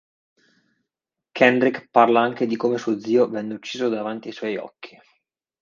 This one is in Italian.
Kendrick parla anche di come suo zio venne ucciso davanti ai suoi occhi.